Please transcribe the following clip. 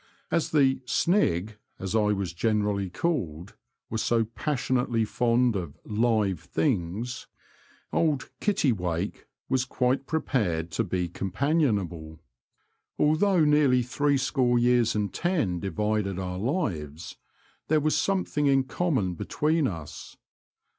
As the '' Snig," as I was generally called, was so passionately fond of '' live" things, old '' Kittiwake " was quite prepared to The Confessions of a Poacher. 33 be companionable. Although nearly three score years and ten divided our lives, there was something in common between us.